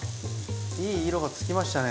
いい色がつきましたね。